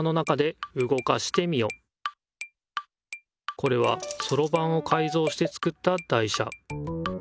これはそろばんをかいぞうして作った台車。